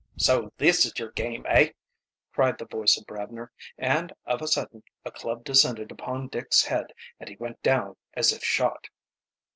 "So this is your game, eh?" cried the voice of Bradner, and of a sudden a club descended upon Dick's head and he went down as if shot.